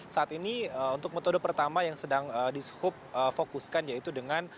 saat ini untuk metode pertama yang sedang dishub fokuskan yaitu dengan